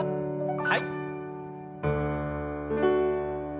はい。